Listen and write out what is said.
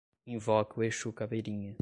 Invoca o exu caveirinha